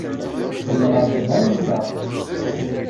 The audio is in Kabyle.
Teqqel ɣer tbanka.